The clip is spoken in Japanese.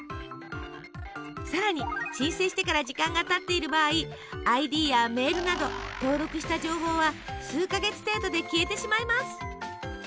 更に申請してから時間がたっている場合ＩＤやメールなど登録した情報は数か月程度で消えてしまいます。